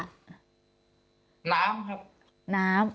น้ำครับ